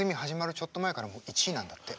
ちょっと前から１位なんだって。